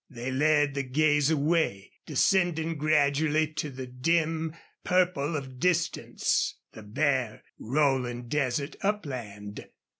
They led the gaze away, descending gradually to the dim purple of distance the bare, rolling desert upland.